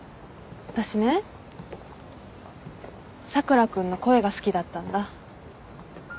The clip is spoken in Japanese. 私ね佐倉君の声が好きだったんだ。